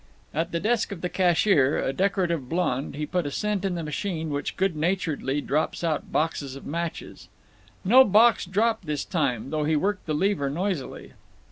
At the desk of the cashier, a decorative blonde, he put a cent in the machine which good naturedly drops out boxes of matches. No box dropped this time, though he worked the lever noisily.